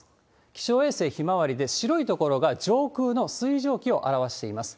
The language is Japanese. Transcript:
気象衛星ひまわりで、白い所が上空の水蒸気を表しています。